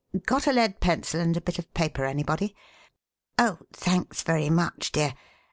Got a lead pencil and a bit of paper, anybody? Oh, thanks very much, dear.